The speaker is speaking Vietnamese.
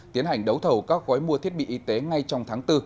tiến hành đấu thầu các gói mua thiết bị y tế ngay trong tháng bốn